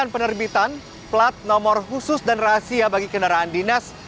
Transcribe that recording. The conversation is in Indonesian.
penerbitan plat nomor khusus dan rahasia bagi kendaraan dinas